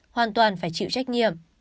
hoàn toàn phải chịu trách nhiệm